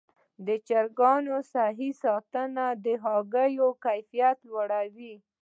د چرګانو صحي ساتنه د هګیو کیفیت لوړوي.